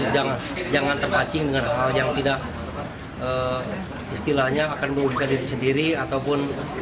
jangan terpacing dengan hal yang tidak istilahnya akan merugikan diri sendiri ataupun